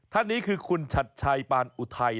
ท่านนี้คือคุณชัดชัยปานอุทัย